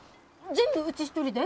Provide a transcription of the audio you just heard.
全部うち一人で？